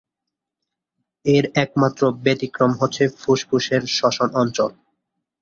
এর একমাত্র ব্যতিক্রম হচ্ছে ফুসফুসের শ্বসন অঞ্চল।